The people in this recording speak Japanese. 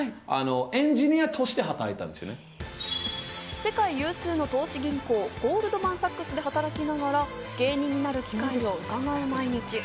世界有数の投資銀行、ゴールドマン・サックスで働きながら芸人になる機会をうかがう毎日。